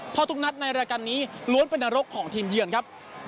เพราะทุกนัดในรายการนี้ล้วนเป็นนรกของทีมเยือนครับ